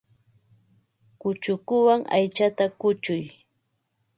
Kuchukuwan aychata kuchuy.